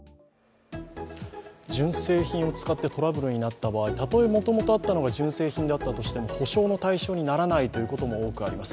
純正品を使ってトラブルになった場合、たとえもともとあったのが純正品であったとしても、保証の対象にならないということはあります。